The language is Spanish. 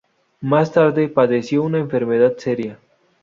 Más tarde padeció una enfermedad seria.